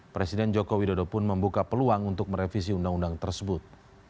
presiden joko widodo pun membuka peluang untuk merevisi undang undang tersebut